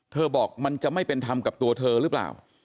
บอกมันจะไม่เป็นธรรมกับตัวเธอหรือเปล่า